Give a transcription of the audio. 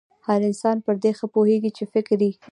هر انسان پر دې ښه پوهېږي چې فکري